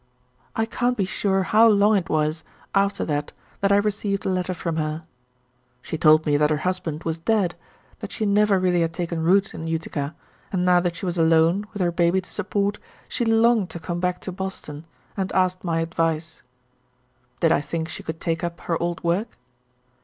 I can't be sure how long it was after that that I received a letter from her. She told me that her husband was dead, that she never really had taken root in Utica, and now that she was alone, with her baby to support, she longed to come back to Boston, and asked my advice. Did I think she could take up her old work?